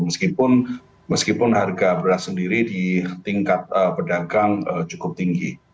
meskipun harga beras sendiri di tingkat pedagang cukup tinggi